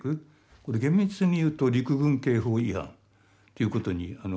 これ厳密にいうと陸軍刑法違反ということに。